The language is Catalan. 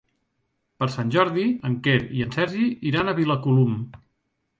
Per Sant Jordi en Quer i en Sergi iran a Vilamacolum.